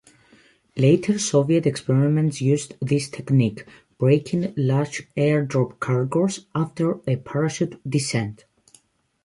Later Soviet experiments used this technique, braking large air-dropped cargos after a parachute descent.